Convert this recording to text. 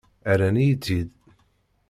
Rran-iyi-tt-id.